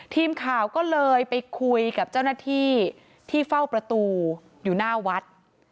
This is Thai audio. ทีมข่าวก็เลยไปคุยกับเจ้าหน้าที่ที่เฝ้าประตูอยู่หน้าวัด